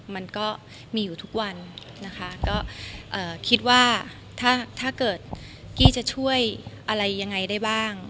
มันก็มีอยู่ทุกวันนะคะก็คิดว่าถ้าเกิดกี้จะช่วยอะไรยังไงได้บ้าง